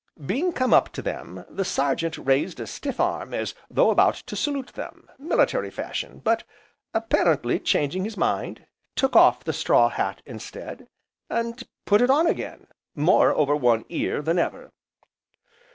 Being come up to them, the Sergeant raised a stiff arm as though about to salute them, military fashion, but, apparently changing his mind, took off the straw hat instead, and put it on again, more over one ear than ever.